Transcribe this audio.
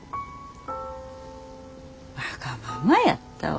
わがままやったわ。